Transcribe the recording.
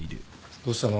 どうしたの？